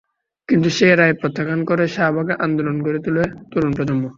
কিন্তু সেই রায় প্রত্যাখ্যান করে শাহবাগে আন্দোলন গড়ে তোলে তরুণ প্রজন্ম।